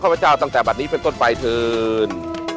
กว่าพระเจ้าตั้งแต่บันนี้เป็นต้นไฟถืน